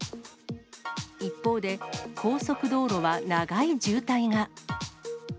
一方で、高速道路は長い渋滞が。